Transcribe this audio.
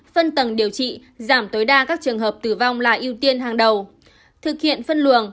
phân tầng điều trị giảm tối đa các trường hợp tử vong là ưu tiên hàng đầu thực hiện phân luồng